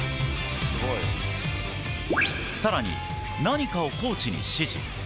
更に何かをコーチに指示。